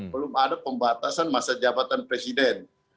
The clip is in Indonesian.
belum ada pembatasan masa jabatan presiden